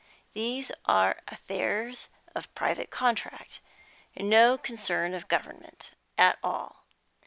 These are affairs of private contract, and no concern of government at all.